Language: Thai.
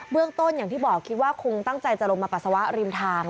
เรื่องต้นอย่างที่บอกคิดว่าคงตั้งใจจะลงมาปัสสาวะริมทาง